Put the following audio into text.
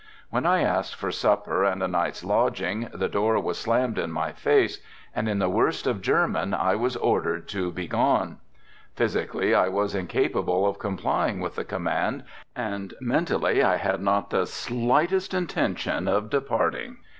When I asked for supper and a night's lodging the door was slammed in my face and in the worst of German I was ordered to begone. Physically I was incapable of complying with the command and mentally I had not the slightest intention of departing.